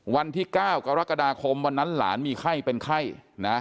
วันที่๙กรกฎาคมวันนั้นหลานมีไข้เป็นไข้นะ